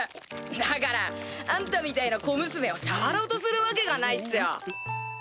だからあんたみたいな小娘を触ろうとするわけがないっすよ。